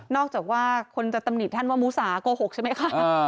จากว่าคนจะตำหนิท่านว่ามูสาโกหกใช่ไหมคะ